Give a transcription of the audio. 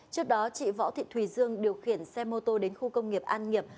trước đó chị võ thị thùy dương điều khiển xe mô tô đến khu công nghiệp an nghiệp